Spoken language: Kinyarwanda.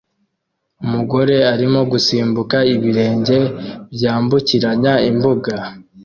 Umugore arimo gusimbuka ibirenge byambukiranya imbuga